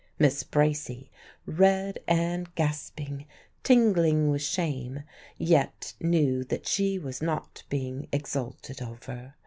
Miss Bracy, red and gasping, tingling with shame, yet knew that she was not being exulted over.